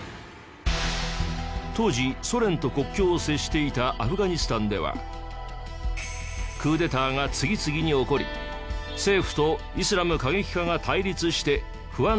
当時ソ連と国境を接していたアフガニスタンではクーデターが次々に起こり政府とイスラム過激派が対立して不安定な状況。